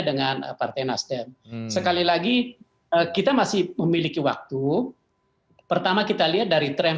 dengan partai nasdem sekali lagi kita masih memiliki waktu pertama kita lihat dari tren